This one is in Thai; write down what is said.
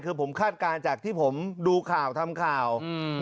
คือผมคาดการณ์จากที่ผมดูข่าวทำข่าว